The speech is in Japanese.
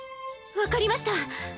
分かりました。